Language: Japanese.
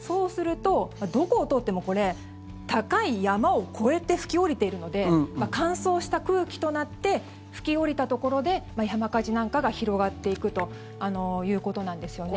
そうすると、どこを通っても高い山を越えて吹き下りているので乾燥した空気となって吹き下りたところで山火事なんかが広がっていくということなんですよね。